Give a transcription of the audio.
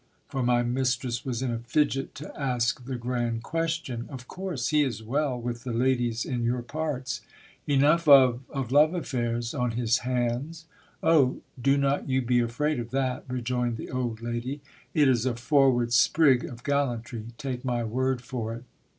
for my mistress was in a fidget to ask the grand question. Of course ;.... he is well with the ladies in your parts ! Enough of ... of love affairs ... on his hands ! Oh ! do not you be afraid of that, rejoined the old lady ; it is a forward sprig of gallantry, take my word for it.